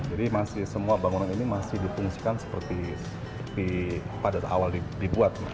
jadi semua bangunan ini masih dipungsikan seperti pada awal dibuat